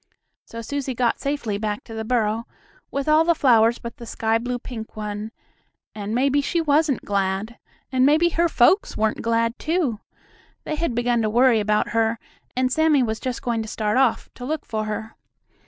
So Susie got safely back to the burrow, with all the flowers but the sky blue pink one, and maybe she wasn't glad! And maybe her folks weren't glad too! They had begun to worry about her, and Sammie was just going to start off to look for her.